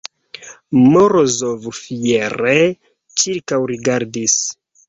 Morozov fiere ĉirkaŭrigardis.